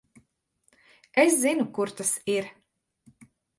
Es zinu, kur tas ir.